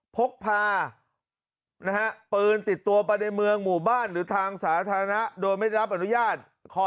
พกพาปืนติดตัวไปในเมืองหมู่บ้านหรือทางสาธารณะโดยไม่รับอนุญาต